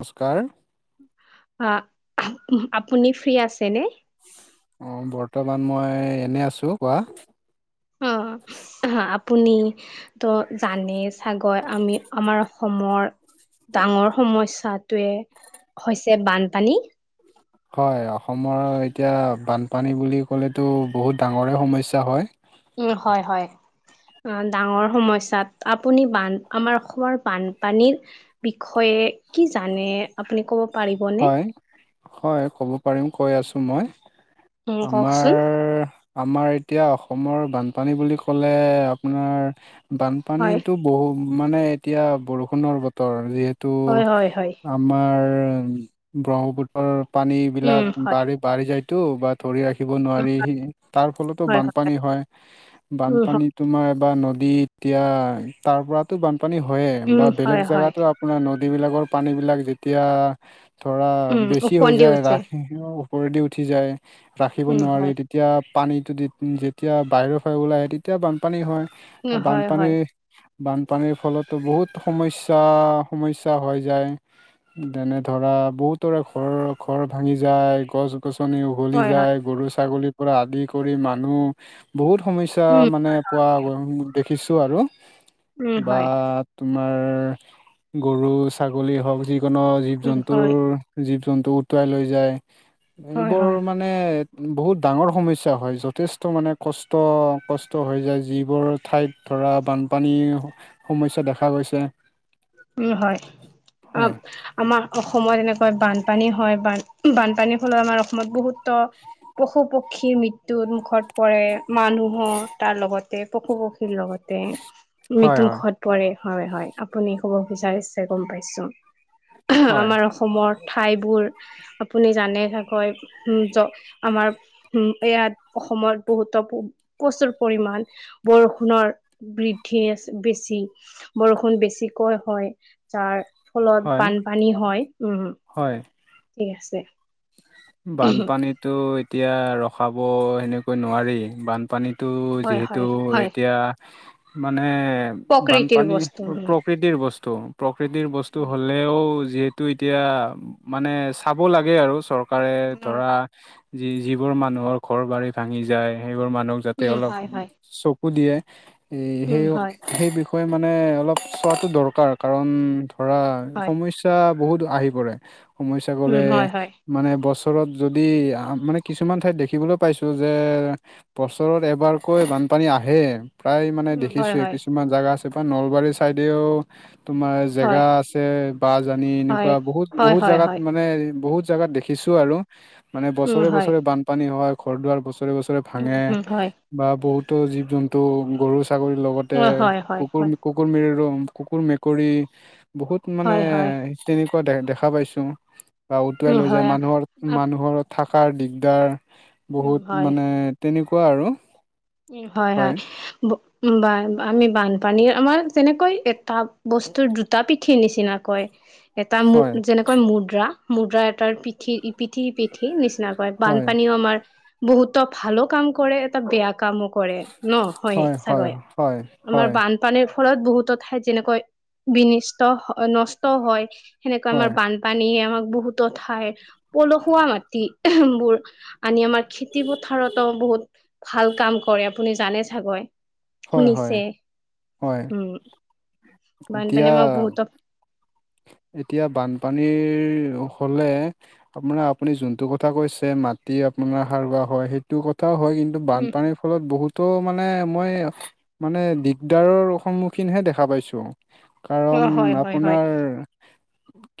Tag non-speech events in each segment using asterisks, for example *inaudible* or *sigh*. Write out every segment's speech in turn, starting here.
নমস্কাৰ। অ আপুনি ফ্ৰী আছেনে। অঁ বৰ্তমান মই এনে আছোঁ কোৱা। অ আপুনি ত জানেই চাগৈ আমি আমাৰ। অসমৰ ডাঙৰ সমস্যাটোৱে হৈছে বানপানী। হয় অসমৰ এতিয়া বানপানী বুলি ক'লেতো বহুত ডাঙৰে সমস্যা হয়। উম হয় হয়। ডাঙৰ সমস্যাত আপুনি বান আমাৰ অসমৰ বানপানীৰ। বিষয়ে কি জানে আপুনি ক'ব? পাৰিবনে? হয় হয় ক'ব পাৰিম কৈ আছো মই। উম আমাৰ। কওকচোন আমাৰ এতিয়া অসমৰ বানপানী বুলি ক'লে আপোনাৰ হয়। বানপানীটো। বহু মানে এতিয়া বৰষুণৰ বতৰ যিহেতু হয় হয় হয়। আম। আমাৰ ব্ৰহ্মপুত্ৰৰ উম পানীবিলাক হয় বাঢ়িত। বাঢ়ি যায়তো বা ধৰি ৰাখি। ৰাখিব নোৱাৰি হি তাৰ ফলতো বানপানী হয়, উম হয় বানপানী তোমাৰ বা নদী এতিয়া তাৰ পৰাটো বানপানী হয় উম বা হয় বেলেগ হয়। জেগাত আপোনাৰ নদীবিলাকৰ পানীবিলাক যেতিয়া ধৰা উম বেছি হৈ ওফন্দি যায়, উঠে ৰাখি ওপৰেদি উঠি যায় ৰাখিব উম নোৱাৰি হয় তে তিয়া পানীটো যেতিয়া বাহিৰৰ পৰা ওলাই আহে, তেতিয়া বানপানী হয় উম আৰু হয় হয় বানপানী বানপানীৰ ফলতো বহুত সমস্যা সমস্যা হৈ যায়। যেনে ধৰা বহুতৰে ঘৰ ঘৰ ভাঙি যায়, গছ গছনি উভলি হয় হয়। যায়, গৰু ছাগলী পৰা আদি কৰি মানুহ বহুত সমস্যা উম, মানে পোৱা দে খিছোঁ আৰু উম, বা হয়, তোমাৰ গৰু ছাগলী হওক যিকোনো জীৱ উম, জ হয়, জীৱ জন্তু উটুৱাই লৈ যায়, হয়, এইবোৰ হয়, মানে মানে বহুত ডাঙৰ সমস্যা হয় যথেষ্ট মানে কষ্ট কষ্ট হৈ যায়, যিবোৰ ঠাইত ধৰা বানপানীৰ সমস্যা দেখা গৈছে। উম হয়, অ হয় আমাৰ অসমত এনেকৈ বানপানী হয়, বানপানীৰ ফলত আমাৰ অসমত বহুতো পশু পক্ষীৰ মৃত্যুৰ মুখত পৰে। মানুহৰ তাৰ লগতে পশু পক্ষীৰ লগতে হয় মৃত্যু হয় মুখত হয় হয়, আপুনি ক'ব বিচাৰিছে গম পাইছো হয় আমাৰ। অসমৰ ঠাইবোৰ আপুনি জানে চাকৈ আমাৰ উম ইয়াত অসমত বহুতো প্ৰচুৰ পৰিমান বৰষুণৰ বৃদ্ধি আছে, বেছি বৰষুণ বেছি কৈ হয় যাৰ ফলত হয় বানপানী হয়, উম। হয়। ঠিক আছে। বানপানীতো এতিয়া ৰখাব সেনেকৈ নোৱাৰি। বানপানীত হেতু হয় যিহেতু হয় হয় এতিয়া মানে প্ৰকৃতিৰ বানপানী বস্তু উম প্ৰকৃ তি বস্তু প্ৰকৃতিৰ বস্তু হ'লে তেওঁ যিহেতু এতিয়া মানে চাব লাগে আৰু চৰকাৰে ধৰা, উম যি যিবোৰ মানুহৰ ঘৰ বাৰী ভাঙি যায়, সেইবোৰ মানুহক যাতে উম অলপ হয় হয় চ কু দিয়ে ল, এই সেই উম হয় সেই বিষয়ে মানে অলপ চোৱাটো দৰকাৰ কাৰণ ধৰা হয় সমস্যা বহুত আহি পৰে, উম সমস্যাবোৰে হয় হয় মানে বছৰত যদি মানে কিছুমান ঠাইত দেখিবলৈ পাইছোঁ যে, বছৰত এবাৰকৈ বানপানী আহেই। প্ৰায় মানে উম হয় দেখিছোয়ে, হয় কিছুমান জাগা আছে প্ৰায় নলবাৰী চাইডেও তোমাৰ জেগা হয় আছে, বাছ আনি এনেকুৱা হয় বহুত হয় বহুত হয় জেগাত হয় মানে বহুত জেগাত দেখিছোঁ আৰু। মানে উম বছৰে হয় বছৰে বানপানী হয়, ঘৰ দুৱাৰ বছৰে বছৰে উম ভাঙে। হয় বা বহুতো জীৱ জন্তু গৰু ছাগলীৰ লগতে হয় হয় হয় হয় কুকুৰ মে কুৰি মিৰেম কুকুৰ মেকুৰী বহুত মানে হয় হয় তেনেকুৱা দে দেখা পাইছো, বা উটুৱাই উম লৈ যায় হয় আ- মান হৰ আপ- মানুহৰ থাকাৰ দিগদাৰ উম বহুত হয় মানে তেনেকুৱা আৰু। উম হয় হয়। বা আমি বানপানীৰ আমাৰ তেনেকৈ এটা বস্তুৰ দুটা পিঠিৰ নিচিনা কয়। এটা মু হয় যেনেকৈ মুদ্ৰা, মুদ্ৰা এটাৰ পিঠি পিঠি পিঠি উঠি নিচিনা কৰে হয় বানপানীও আমাৰ বহুতো ভালো কাম কৰে, এটা বেয়া কামো কৰে ন, হয় চাগয়, আমাৰ বান পানীৰ ফলত বহুতো ঠাইত যেনেকৈ বিনষ্ট হয় নষ্ট হয় সেনেকৈ আমাৰ হয় বান পানী আমাক বহুতত হয়, পলসুৱা মাটি বোৰ আনি আমাৰ খেতি পথাৰতো বহুত ভাল কাম কৰে আপুনি জানে চাগৈ। হয় হয় শুনিছে, হয় উম। *unintelligible* এতিয়া বানপানীয়ে আমাক বহতক এতিয়া বানপানীৰ হ'লে আপোনাৰ আপুনি যোনটো কথা কৈছে মাটি আপোনাৰ সাৰুৱা হয় সেইটো কথাও হয় কিন্তু *unintelligible* উম বানপানী ফলত বহুতো মানে মই মানে দিগদাৰৰ সন্মুখীনহে দেখা পাইছোঁ। অ কাৰণ হয় হয় হয় আপোনাৰ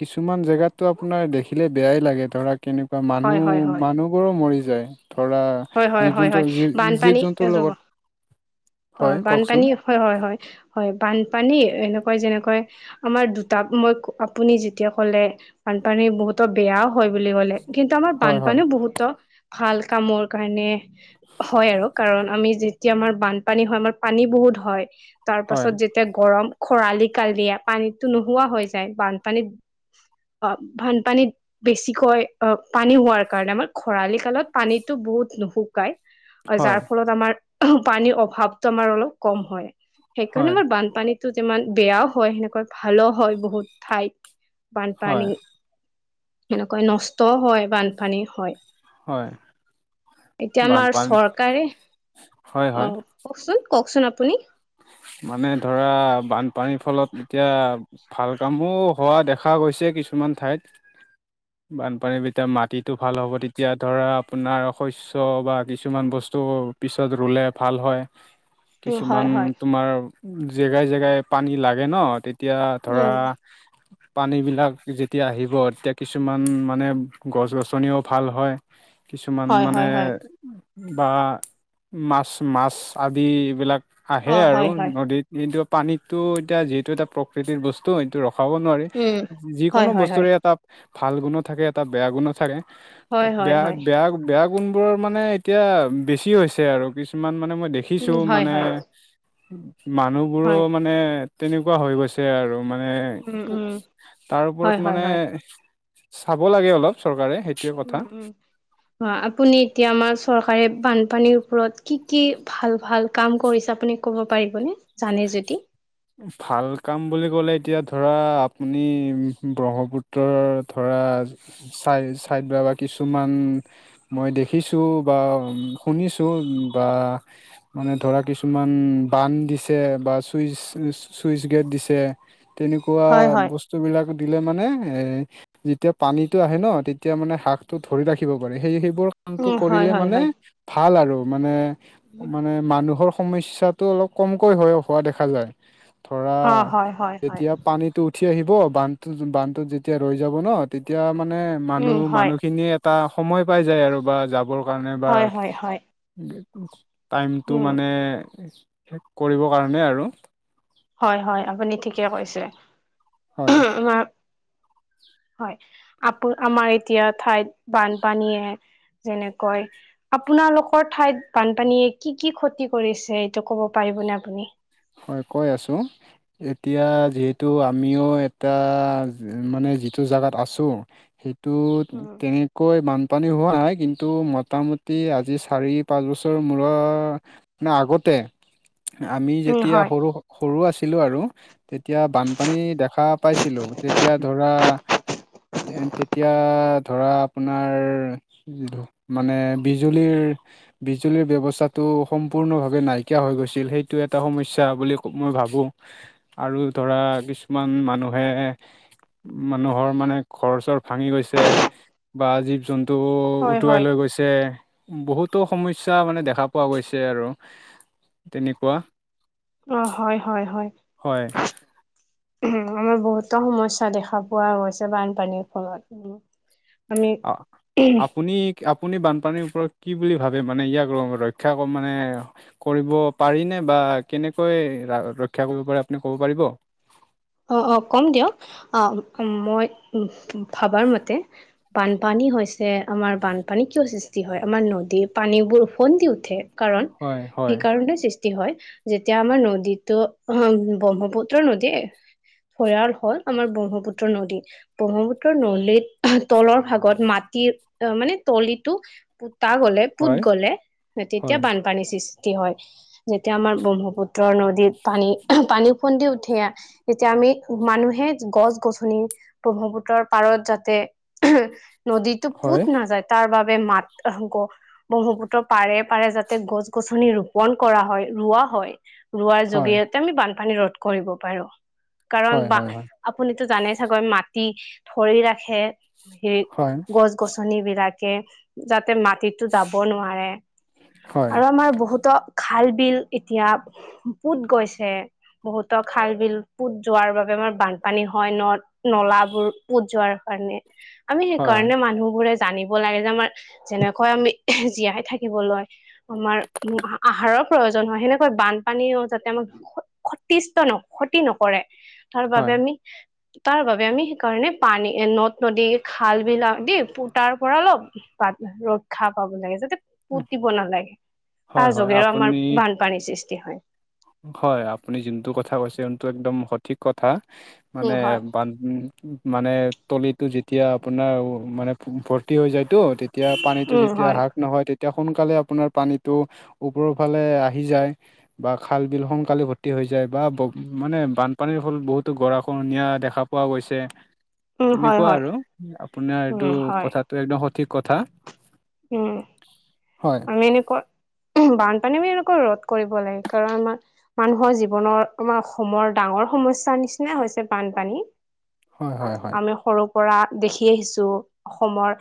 কিছুমান জেগাততো আপোনাৰ দেখিলে বেয়াই লাগে ধৰা কেনেকুৱা হয় হয় হয় মানুহ-মানুহবোৰো মৰি যায়, ধৰা হয় হয় জীৱ হয় জন্তু হয়, জীৱ জীৱ বানপানী *unintelligible* জন্তুৰ লগত হয় অ', কওকচোন বানপানী হয় হয় হয়। হয় বানপানী এনেকুৱা যেনেকৈ আমাৰ দুটা মই আপুনি যেতিয়া কলে, বানপানী বহুতো বেয়াও হয় বুলি ক'লে কিন্তু আমাৰ হয় হয় বানপানীও বহুতো ভাল কামৰ কাৰণে হয় আৰু, কাৰণ আমি যেতিয়া আমাৰ বানপানী হয় আমাৰ পানী বহুত হয় তাৰ হয় পাছত যেতিয়া গৰম, খৰালি কাল দিয়ে, পানীতো নোহোৱা হৈ যায় বানপানীত অ', বানপানীত বেছিকৈ অ', পানী হোৱাৰ কাৰণে আমাৰ খৰালি কালত পানীত টো বহুত নুশুকাই যাৰ হয় ফলত আমাৰ পানীৰ অভাৱতো আমাৰ অলপ কম হয়, সেইকাৰণে হয় আমাৰ বানপানীত টো যিমান বেয়াও হয়, সেনেকৈ ভালো হয় বহুত ঠাইত বানপানী। হয় সেনেকৈ নষ্টও হয় বানপানী হয়। হয়। এতিয়া আমাৰ বানপানী চৰকাৰে হয় অ, হয় কওকচোন, কওকচোন আপুনি মানে ধৰা বানপানীৰ ফলত এতিয়া ভাল কামো হোৱা দেখা গৈছে কিছুমান ঠাইত। *inaudible* বানপানীৰ ভিতৰত মাটিটো ভাল হ'ব, তেতিয়া ধৰা আপোনাৰ শস্য বা কিছুমান বস্তু পিছত ৰুলে ভাল হয়। *unintelligible* কিছুমান হয় তোমাৰ জেগাই জেগাই পানী লাগে ন তেতিয়া ধৰা *inaudible* পানীবিলাক যেতিয়া আহিব তেতিয়া কিছুমান মানে গছ গছনিও ভাল হয়। কিছুমান হয় মানে হয় হয় বা মাছ-মাছ আদিবিলাক অ আহে আৰু হয় হয় নদীত কিন্তু পানীটো এতিয়া যিহেতু এটা প্ৰকৃতিৰ বস্তু সেইটো ৰখাব নোৱাৰি। উম হয় যিকোনো হয় হয় বস্তুৰে এটা ভাল গুণো থাকে, এটা বেয়া গুণো থাকে। ত হয় হয় হয় বেয়া-বেয়া বেয়া গুণবোৰৰ মানে এতিয়া বেছি হৈছে আৰু কিছুমান মানে মই উম দেখিছোঁ হয় মানে হয় মানুহবোৰো হয় মানে তেনেকুৱা হৈ গৈছে আৰু। মানে উম উম তাৰ ওপৰত হয় হয় মানে, হয় চাব লাগে অলপ চৰকাৰে। সেইটোৱে কথা উম, উম। হয় আপুনি এতিয়া আমাৰ চৰকাৰে বানপানীৰ ওপৰত কি কি, ভাল ভাল কাম কৰিছে আপুনি ক'ব পাৰিবনে জানে যদি! ভাল কাম বুলি ক'লে এতিয়া ধৰা আপুনি ব্ৰহ্মপুত ব্ৰহ্মপুত্ৰৰ ধৰা চাই চাইড বা বা কিছুমান মই দেখিছোঁ বা শুনিছোঁ বা মানে ধৰা কিছুমান বান্ধ দিছে। এ বা চুইচ চুইচ গেট দিছে। তেনেকুৱা হয়, হয়। বস্তু বস্তু বিলাক দিলে মানে এ যেতিয়া পানীতো আহে ন, তেতিয়া মানে শাকটো ধৰি ৰাখিব পাৰে। সেই সেইবোৰক কামতো উম, হয়, কৰিলে হয়, মানে হয়। ভাল আৰু মানে-মানে মানুহৰ সমস্যাটো অলপ কম কৈ হোৱা দেখা যায়। ধৰা অ', হয়, হয়, হয়, যেতিয়া পানীতো উঠি আহিব বান্ধটো বান্ধটোত যেতিয়া ৰৈ যাব ন তেতিয়া মানে উম, মানুহ হয়, মানুহখিনিয়ে এটা সময় পাই যায় আৰু বা যাবৰ কাৰণে বা হয়, হয়, হয়। টাইমটো উম, মানে শেষ কৰিবৰ কাৰণে আৰু। হয়-হয় আপুনি ঠিকে কৈছে। হয় হয়, আপোন আমাৰ এতিয়া ঠাইত বানপানীয়ে যেনেকৈ আপোনালোকৰ ঠাইত বানপানীয়ে কি কি ক্ষতি কৰিছে এইটো ক'ব পাৰিবনে আপুনি? হয় কৈ আছোঁ। এতিয়া যিহেতু আমিও এটা মানে যিটো জেগাত আছোঁ সেইটো উম, তেনে কৈ বানপানী হোৱা নাই। কিন্তু মোটামুটি আজি চাৰি পাঁচ বছৰ মূৰৰ নে আগতে আমি উম, যেতিয়া হয়, সৰু-সৰু আছিলোঁ আৰু তেতিয়া বানপানী দেখা পাইছিলোঁ। তেতিয়া ধৰা তেন তেতিয়া ধৰা আপোনাৰ মানে বিজুলীৰ বিজুলীৰ ব্যৱস্থাটো সম্পূৰ্ণভাৱে নাইকিয় হৈ গৈছিল, সেইটো এটা সমস্যা বুলি মই ভাবোঁ আৰু ধৰা কিছুমান মানুহে মানুহৰ মানে ঘৰ-চৰ ভাঙি গৈছে বা জীৱ-জন্তুবোৰ হয়, উটুৱাই হয়। লৈ গৈছে। যে বহুতো সমস্যা মানে দেখা পোৱা গৈছে আৰু তেনেকুৱা অ, হয়, হয়, হয়। হয়। আমাৰ বহুতো সমস্যা দেখা পোৱা গৈছে বানপানীৰ ফলত। উ *unintelligible* অ, আপুনি আপুনি বানপানীৰ ওপৰত কি বুলি ভাবে মানে ইয়াক ৰক্ষা ক মানে কৰিব পাৰিনে বা কেনেকৈ ৰা ৰক্ষা কৰিব পাৰে আপুনি ক'ব পাৰিব? অ' অ' কম দিয়ক, অ' মই ভাবাৰ মতে বানপানী হৈছে আমাৰ বানপানী কিয় সৃষ্টি হয় আমাৰ নদী পানীবোৰ ওফন্দি উঠে। কাৰণ হয় হয় সেইকাৰণে সৃষ্টি ষ্টি হয়, যেতিয়া আমাৰ নদীতো অ' ব্ৰহ্মপুত্ৰ নদীয়ে ভয়াল হ'ল আমাৰ ব্ৰহ্মপুত্ৰ নদী। ব্ৰহ্মপুত্ৰৰ নদীৰ তলৰ ভাগত মাটিৰ মানে তলিটো পোতা গ'লে, হয় পুত গ'লে হয় তেতিয়া বানপানীৰ সৃষ্টি হয় যেতিয়া আমাৰ ব্ৰহ্মপুত্ৰৰ নদীত পানী পানী ওফন্দি উঠে যেতিয়া আমি মানুহে গছ গছনি ব্ৰহ্মপুত্ৰৰ পাৰত যাতে নদীতো হয় পোত নাযায়। তাৰ বাবে মাত আহ গ ব্ৰহ্মপুত্ৰ পাৰে পাৰে যাতে গছ গছনি ৰোপন কৰা হয়, ৰোৱা হয়। ৰোৱাৰ হয় জৰিয়তে আমি বানপানী ৰোধ কৰিব পাৰোঁ। কাৰণ হয় বা হয় আপুনিতো জানে চাগৈ মাটি ধৰি ৰাখে। সেই হয় গছ গছনি বিলাকে যাতে মাটিতো যাব নোৱাৰে হয় আৰু আমাৰ বহুতো খাল বিল এতিয়া পুত গৈছে বহুত খাল বিল পোত যোৱাৰ বাবে আমাৰ বানপানী হয় নদ নলাবোৰ পোত যোৱাৰ কাৰণে আমি হয় হয় হয় সেইকাৰণে মানুহবোৰে জানিব লাগে যে আমাৰ যেনেকৈ আমি জীয়াই থাকিবলৈ আমাৰ আহাৰৰ প্ৰয়োজন হয় সেনেকৈ বানপানীও যাতে আমাক ক্ষতিষ্ট ন ক্ষতি নকৰে তাৰ বাবে হয় আমি তাৰ বাবে আমি সেইকাৰণে পানী নদ নদী খাল বিল আদি পোতাৰ পৰা অলপ পাব ৰক্ষা পাব লাগে যাতে উম, পুতিব নালাগে হয় তাৰ হয় যোগেৰেও আমাৰ আপুনি বান পানীৰ সৃষ্টি হয় হয় আপুনি যোনটো কথা কৈছে সোনটো একদম সঠিক কথা মানে উম, হয়। বান উম মানে তলিটো যেতিয়া আপোনাৰ মানে ভৰ্তি হৈ যায়তো। তেতিয়া পানীতো উম, যেতিয়া হয়। শাক নহয় তেতিয়া সোনকালে আপোনাৰ পানীটো ওপৰৰ ফালে আহি যায়। বা খাল বিল সোনকালে ভৰ্তি হৈ যায় বা ব মানে বানপানীৰ হ'ল বহুতো গৰাক্ষহণিয়া দেখা পোৱা গৈছে। *unintelligible* তেনেকোৱা হয়। আৰু আপোনাৰ এইটো উম, হয়। কথাটো একদম সঠিক কথা। উম হয় এনেকোৱা বানপানী আমি এনেকোৱা ৰোধ কৰিব লাগে কাৰণ আমাৰ মানুহৰ জীৱনৰ আমাৰ অসমৰ ডাঙৰ সমস্যাৰ নিচিনা হৈছে বানপানী। হয় হয় হয় আমি সৰু পৰা দেখি আহিছো অসমৰ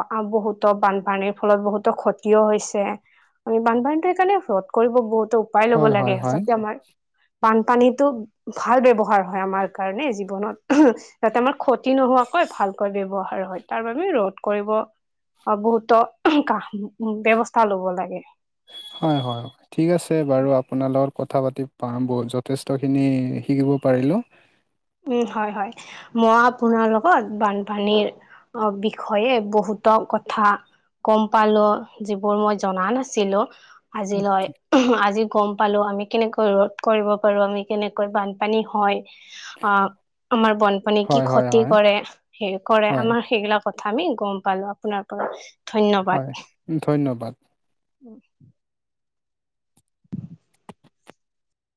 বা বহুতো বানপানীৰ ফলত বহুতো ক্ষতি হৈছে আমি বানপানীতো সেইকাৰণে ৰোধ কৰিব বহুতো পাই ল'ব হয় হয় লাগে হয় সঁচাকে আমাৰ বানপানীটো ভাল ব্যৱহাৰ হয় আমাৰ কাৰণে জীৱনত যাতে আমাৰ ক্ষতি নোহোৱাকৈ ভালকৈ ব্যৱহাৰ হয় তাৰ বাবে ৰোধ কৰিব অ বহুত কা ব্যৱস্থা লব লাগে। হয় হয়। ঠিক আছে বাৰু আপোনাৰ লগত কথা পাতি পা যথেষ্টখিনি শিকিব পাৰিলোঁ। উম হয় হয়। মই আপোনাৰ লগত বানপানীৰ অ বিষয়ে বহুতো কথা গম পালো যিবোৰ মই জনা নাছিলো আজিলৈ। আজি গম পালো আমি কেনেকৈ ৰোধ কৰিব পাৰো, আমি কেনেকৈ বানপানী হয়। অ' আমাৰ বনপানী কি হয় হয় ক্ষতি হয় কৰে, হে কৰে হয় আমাৰ সেইবিলাক কথা আমি গম পালো আপোনাৰ পৰা, ধন্যবাদ। হয় ধন্যবাদ। উম।